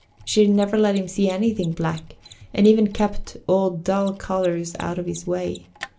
She never let him see anything black, and even kept all dull colors out of his way.